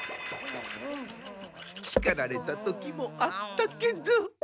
しかられた時もあったけど。